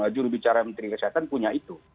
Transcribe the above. jurubicara menteri kesehatan punya itu